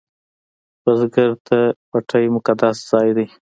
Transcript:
بزګر ته پټی مقدس ځای دی